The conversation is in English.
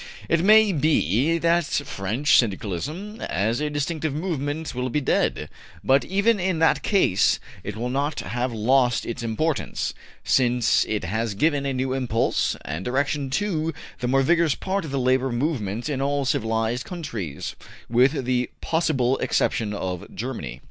It may be that French Syndicalism as a distinctive movement will be dead, but even in that case it will not have lost its importance, since it has given a new impulse and direction to the more vigorous part of the labor movement in all civilized countries, with the possible exception of Germany.